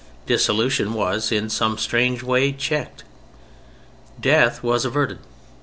Dissolution was in some strange way checked. Death was averted.